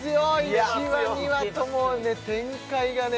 １話２話ともうね展開がね